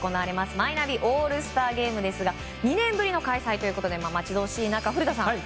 マイナビオールスターゲームですが２年ぶりの開催ということで待ち遠しい中古田さん